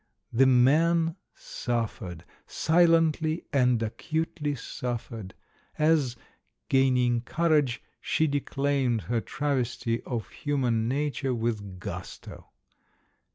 The man suffered — silently and acutely suffered — as, gaining courage, she declaimed her travesty of human nature with gusto.